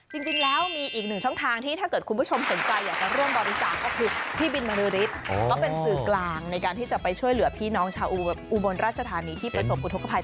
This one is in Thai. จริงแล้วมีอีกหนึ่งช่องทางที่ถ้าเกิดคุณผู้ชมสนใจอยากจะร่วมบริจาคก็คือพี่บินมรฤทธิ์ก็เป็นสื่อกลางในการที่จะไปช่วยเหลือพี่น้องชาวอุบลราชธานีที่ประสบอุทธกภัย